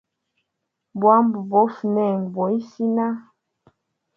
Bwamba bofa nengo boisila.